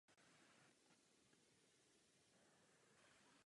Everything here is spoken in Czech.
A chceme zajíce honit, nebo ho přece jen chytit?